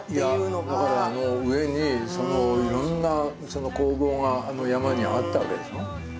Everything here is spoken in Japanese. だからあの上にいろんな工房があの山にあったわけでしょ。